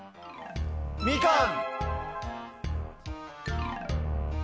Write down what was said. みかん！